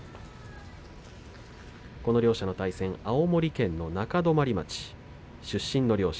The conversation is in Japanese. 両者の対戦、青森県の中泊町出身の両者。